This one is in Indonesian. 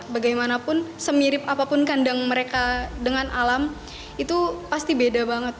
bagaimanapun semirip apapun kandang mereka dengan alam itu pasti beda banget